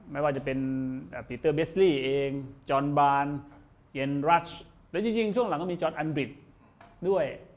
ไม่ว่าจะเป็นปีเตอร์เบสลี่เองจอนบานเย็นรัชและจริงช่วงหลังก็มีจอนอันบริดด้วย